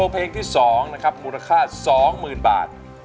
เพลงที่๒นะครับมูลค่า๒๐๐๐บาท